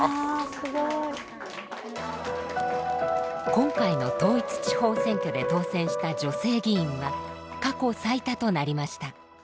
今回の統一地方選挙で当選した女性議員は過去最多となりました。